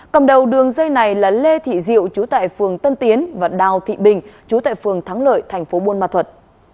cầm đầu đường dây này là lê thị diệu chú tại phường tân tiến và đào thị bình chú tại phường thắng lợi thành phố buôn ma thuật